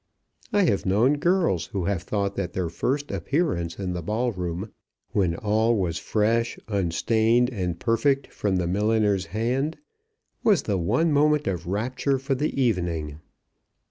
I have known girls who have thought that their first appearance in the ball room, when all was fresh, unstained, and perfect from the milliner's hand, was the one moment of rapture for the evening.